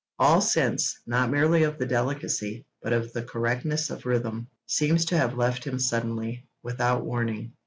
All sense, not merely of the delicacy, but of the correctness of rhythm, seems to have left him suddenly, without warning.